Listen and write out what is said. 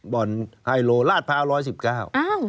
บ่อนไทลลวร์ราชภาคีกีร้อยสิบเก้าอ้าว